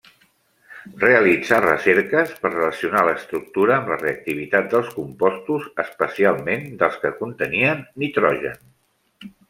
Realitzà recerques per relacionar l'estructura amb la reactivitat dels compostos, especialment dels que contenien nitrogen.